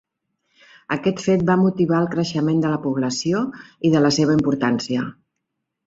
Aquest fet va motivar el creixement de la població i de la seva importància.